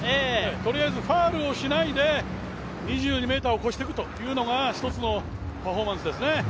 とりあえずファウルをしないで２２ｍを越していくというのが１つのパフォーマンスですね。